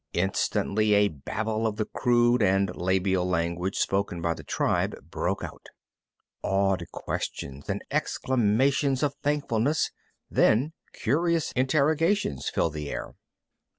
Instantly a babble of the crude and labial language spoken by the tribe broke out. Awed questions and exclamations of thankfulness, then curious interrogations filled the air.